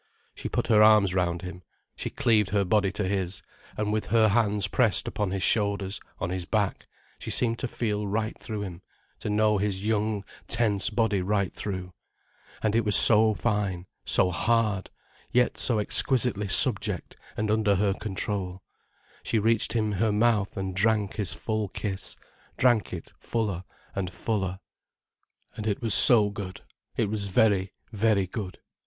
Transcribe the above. She put her arms round him, she cleaved her body to his, and with her hands pressed upon his shoulders, on his back, she seemed to feel right through him, to know his young, tense body right through. And it was so fine, so hard, yet so exquisitely subject and under her control. She reached him her mouth and drank his full kiss, drank it fuller and fuller. And it was so good, it was very, very good.